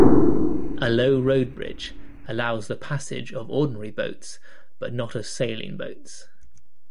A low road bridge allows the passage of ordinary boats but not of sailing-boats.